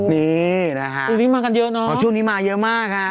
นี่นะฮะตรงนี้มากันเยอะเนอะช่วงนี้มาเยอะมากฮะ